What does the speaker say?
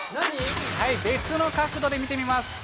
別の角度で見てみます。